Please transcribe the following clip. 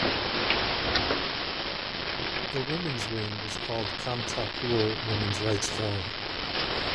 The women's wing is called Kamtapur Women's Rights Forum.